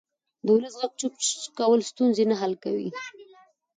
د ولس غږ چوپ کول ستونزې نه حل کوي